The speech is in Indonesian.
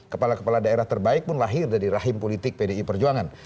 kepala kepala daerah terbaik pun lahir dari rahim politik pdi perjuangan